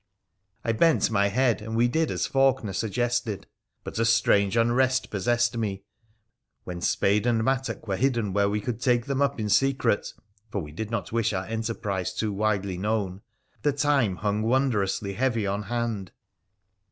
I bent my head, and we did as Faulkener suggested. But a strange unrest possessed me. When spade and mattock were hidden where we could take them up in secret (for we did not wish our enterprise too widely known), the time hung wondrously heavy on hand.